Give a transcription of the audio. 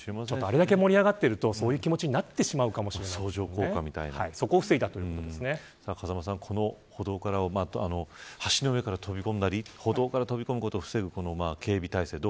あれだけ盛り上がっているとそういう気持ちなってしまうかも風間さん、この歩道から橋の上から飛び込んだり歩道から飛び込むことを防ぐ